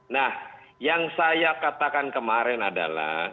nah yang saya katakan kemarin adalah